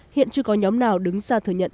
hiện chưa có nhóm nào đứng ra thừa nhận